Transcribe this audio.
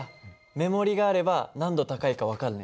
目盛りがあれば何度高いか分かるね。